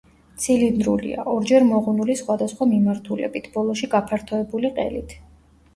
ცილინდრულია, ორჯერ მოღუნული სხვადასხვა მიმართულებით, ბოლოში გაფართოებული ყელით.